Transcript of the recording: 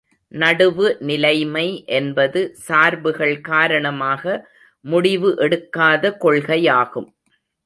நடுவு நிலைமை என்பது சார்புகள் காரணமாக முடிவு எடுக்காத கொள்கையாகும்.